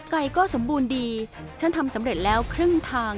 ไก่ก็สมบูรณ์ดีฉันทำสำเร็จแล้วครึ่งทาง